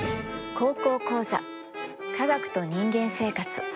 「高校講座科学と人間生活」。